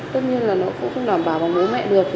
tất nhiên là nó cũng không đảm bảo bằng mỗi mẹ được